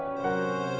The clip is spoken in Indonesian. ketemu sama siapa